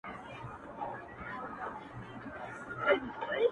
د جهاني زړګیه کله به ورځو ورپسي،